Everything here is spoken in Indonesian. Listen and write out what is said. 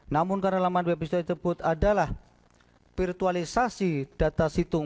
namun karena laman web situng tersebut adalah virtualisasi data situng